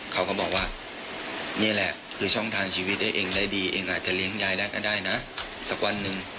เขาก็บอกว่านี่แหละคือช่องทางชีวิตได้เองได้ดีเองอาจจะเลี้ยงยายได้ก็ได้นะสักวันหนึ่ง